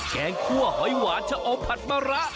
แกงคั่วหอยหวานชะอมผัดมะระ